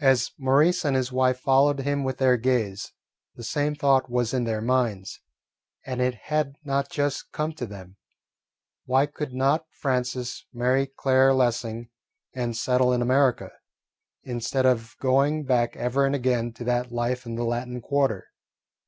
As Maurice and his wife followed him with their gaze, the same thought was in their minds, and it had not just come to them, Why could not Francis marry Claire Lessing and settle in America, instead of going back ever and again to that life in the Latin Quarter?